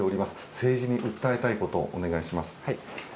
政治に訴えたいことお願いします。